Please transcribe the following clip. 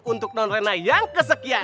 untuk tahun rena yang kesekian